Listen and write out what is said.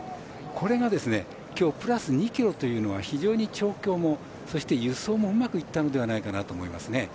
これが今日プラス２ｋｇというのが非常に調教もそして、輸送もうまくいったのではないかなと思いますね。